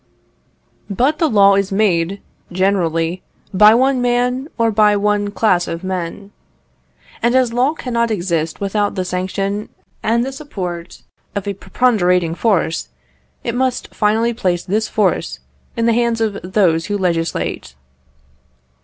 But the law is made, generally, by one man, or by one class of men. And as law cannot exist without the sanction and the support of a preponderating force, it must finally place this force in the hands of those who legislate.